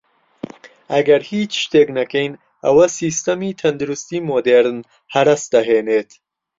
ئەگەر هیچ شتێک نەکەین ئەوە سیستەمی تەندروستی مودێرن هەرەس دەهێنێت